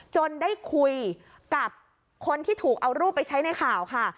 ได้คุยกับคนที่ถูกเอารูปไปใช้ในข่าวค่ะ